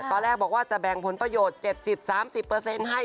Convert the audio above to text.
ตอนแรกบอกว่าจะแบ่งผลประโยชน์๗๐๓๐ให้